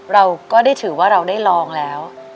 เราก็ได้ถือว่าเราได้ลองแล้ว